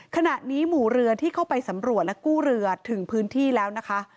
ขณะนี้หมู่เรือที่เข้าไปสำรวจและกู้เรือถึงพื้นที่แล้วนะคะ